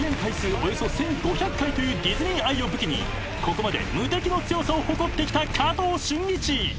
およそ１，５００回というディズニー愛を武器にここまで無敵の強さを誇ってきた加藤駿一］